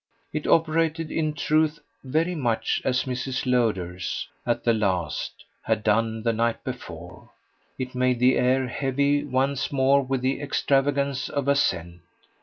It operated in truth very much as Mrs. Lowder's, at the last, had done the night before: it made the air heavy once more with the extravagance of assent.